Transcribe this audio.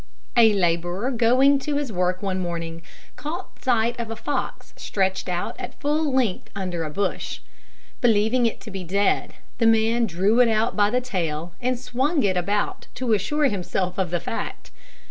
A labourer going to his work one morning, caught sight of a fox stretched out at full length under a bush. Believing it to be dead, the man drew it out by the tail, and swung it about to assure himself of the fact.